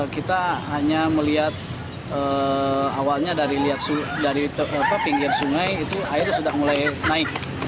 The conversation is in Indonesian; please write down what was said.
kita hanya melihat awalnya dari pinggir sungai itu airnya sudah mulai naik